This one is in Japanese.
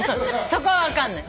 そこは分かんない。